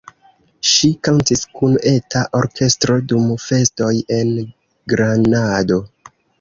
Ŝi kantis kun eta orkestro dum festoj en Granado.